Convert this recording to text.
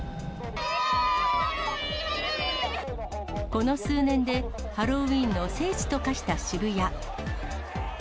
この数年でハロウィーンの聖地と化した渋谷。